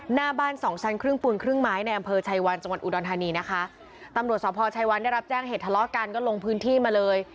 หน้าบ้านสองชั้นครึ่งปูนครึ่งไม้ในอำเภอชัยวันจังหวัดอุดรธานีนะคะตำรวจสพชัยวันได้รับแจ้งเหตุทะเลาะกันก็ลงพื้นที่มาเลย